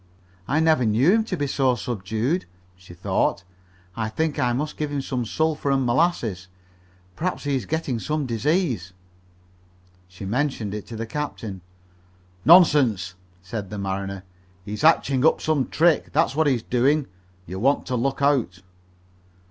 "I never knew him to be so subdued," she thought. "I think I must give him some sulphur and molasses. Perhaps he is getting some disease." She mentioned it to the captain. "Nonsense," said the mariner. "He's hatching up some trick, that's what he's doing. You want to look out."